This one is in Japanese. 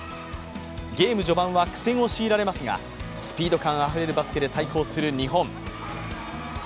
ゲーム序盤は苦戦を強いられますがスピード感あふれるバスケで対抗する日本。